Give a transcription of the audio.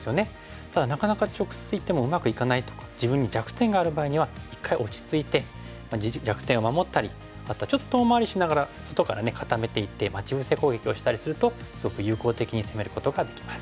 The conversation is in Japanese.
ただなかなか直接いってもうまくいかないとか自分に弱点がある場合には一回落ち着いて弱点を守ったりまたちょっと遠回りしながら外から固めていって待ち伏せ攻撃をしたりするとすごく有効的に攻めることができます。